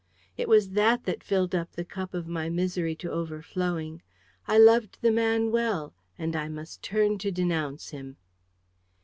It was that that filled up the cup of my misery to overflowing. I loved the man well: and I must turn to denounce him.